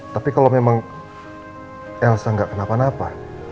tapi kalau memang elsa nggak kenapa napa